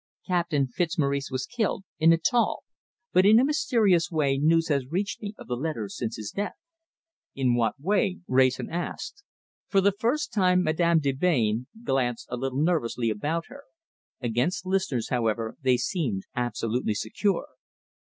Captain Fitzmaurice was killed in Natal, but in a mysterious way news has reached me of the letters since his death." "In what way?" Wrayson asked. For the first time, Madame de Melbain glanced a little nervously about her. Against listeners, however, they seemed absolutely secure.